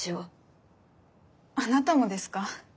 あなたもですか？